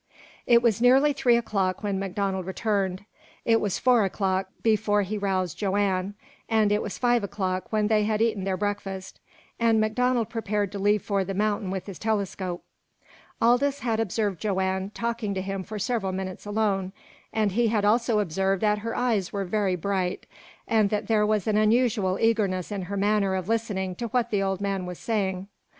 It was nearly three o'clock when MacDonald returned. It was four o'clock before he roused Joanne; and it was five o'clock when they had eaten their breakfast, and MacDonald prepared to leave for the mountain with his telescope. Aldous had observed Joanne talking to him for several minutes alone, and he had also observed that her eyes were very bright, and that there was an unusual eagerness in her manner of listening to what the old man was saying.